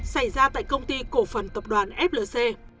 xảy ra tại công ty cổ phần tập đoàn flc